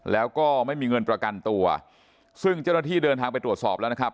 แล้วก็ไม่มีเงินประกันตัวซึ่งเจ้าหน้าที่เดินทางไปตรวจสอบแล้วนะครับ